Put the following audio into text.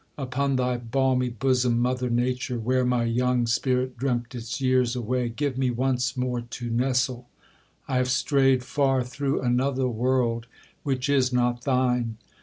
Upon thy balmy bosom, Mother Nature, Where my young spirit dreamt its years away, Give me once more to nestle: I have strayed Far through another world, which is not thine.